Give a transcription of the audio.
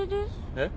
えっ？